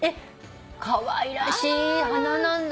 かわいらしい花なんだね。